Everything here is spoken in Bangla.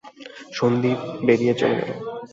সন্দীপ বেরিয়ে চলে গেল।